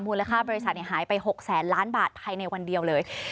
ค่าบริษัทหายไป๖แสนล้านบาทภายในวันเดียวเลย